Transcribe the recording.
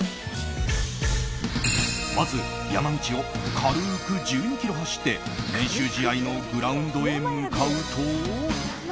まず、山道を軽く１２ｋｍ走って練習試合のグラウンドへ向かうと。